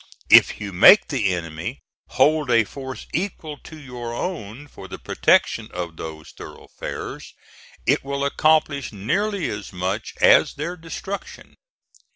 If you make the enemy hold a force equal to your own for the protection of those thoroughfares, it will accomplish nearly as much as their destruction.